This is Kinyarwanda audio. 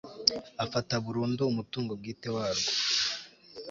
afata burundu umutungo bwite warwo